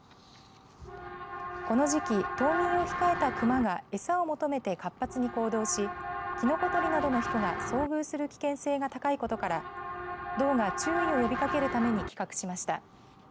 この時期冬眠を控えたクマが餌を求めて活発に行動しキノコ採りなどの人が遭遇する危険性が高いことから道が注意呼びかけるために企画しました。